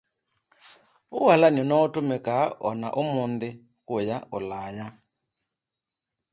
The system is still in use in the United Kingdom.